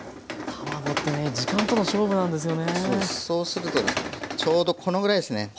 そうするとちょうどこのぐらいですね。